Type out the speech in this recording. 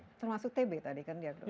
termasuk tb tadi kan